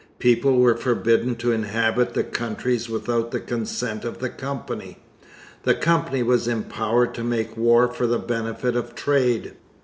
People were forbidden to inhabit the countries without the consent of the Company. The Company was empowered to make war for the benefit of trade.